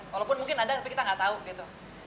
walaupun mungkin ada tapi kita gak tau gitu